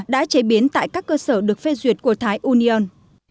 đã chế biến tại các cơ sở được phê duyệt của thái union